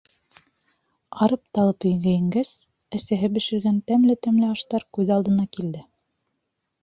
Арып-талып өйгә ингәс, әсәһе бешергән тәмле-тәмле аштар күҙ алдына килде.